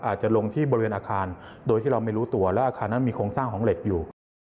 อาจจะลงที่บริเวณอาคารโดยที่เราไม่รู้ตัวและอาคารนั้นมีโครงสร้างของเหล็กอยู่